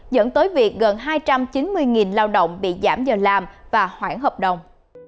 dẫn tới việc gần hai trăm chín mươi lao động bị giảm giờ làm và khoản hợp đồng